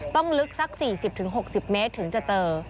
ลึกสัก๔๐๖๐เมตรถึงจะเจอ